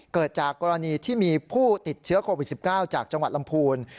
เกิดจากกรณีที่มีผู้ติดเชื้อโควิด๑๙จากจังหวัดลำพูน